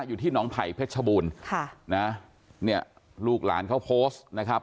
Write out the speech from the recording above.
อยู่ที่น้องไผ่เพชรชบูรณ์ค่ะนะเนี่ยลูกหลานเขาโพสต์นะครับ